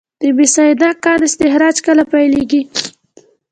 د مس عینک کان استخراج کله پیلیږي؟